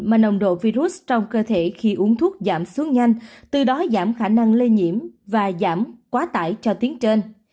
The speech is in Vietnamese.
mà nồng độ virus trong cơ thể khi uống thuốc giảm xuống nhanh từ đó giảm khả năng lây nhiễm và giảm quá tải cho tuyến trên